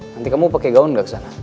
nanti kamu pakai gaun gak kesana